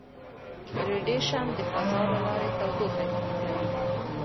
ریډیشن د فضا له لارې تودوخه انتقالوي.